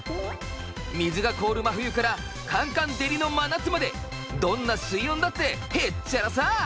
水が凍る真冬からかんかん照りの真夏までどんな水温だってへっちゃらさ。